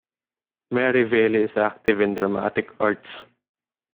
Merivale is active in dramatic arts.